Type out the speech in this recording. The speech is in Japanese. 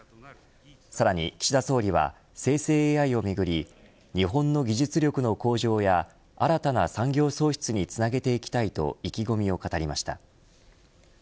さらに岸田総理は生成ＡＩをめぐり日本の技術力の向上や新たな産業創出につなげていきたいと意気込みを語りました。